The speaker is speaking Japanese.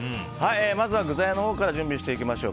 まずは具材のほうから準備していきましょう。